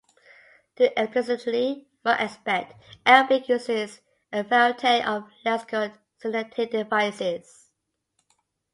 To explicitly mark aspect, Arabic uses a variety of lexical and syntactic devices.